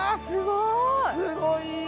すごい！